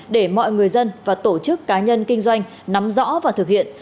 để mọi người dân và tổ chức cá nhân kinh doanh nắm rõ và thực hiện